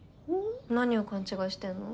何を勘違いしてんの？